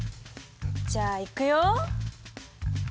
じゃあいくよ。